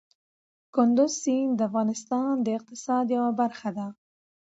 کندز سیند د افغانستان د اقتصاد یوه برخه ده.